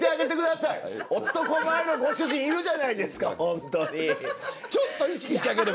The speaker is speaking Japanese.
男前のご主人いるじゃないですかホントに。